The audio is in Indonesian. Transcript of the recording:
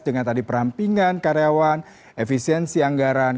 dengan tadi perampingan karyawan efisiensi anggaran